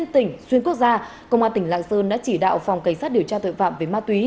một mươi tỉnh xuyên quốc gia công an tỉnh lạng sơn đã chỉ đạo phòng cảnh sát điều tra tội phạm về ma túy